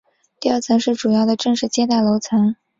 第二层是主要的正式接待楼层。